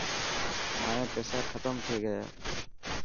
مايا پيسا ختم ٿي گيا.